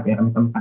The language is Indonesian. yang kami temukan